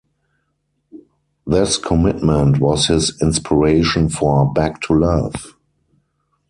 This commitment was his inspiration for “Back to Love”.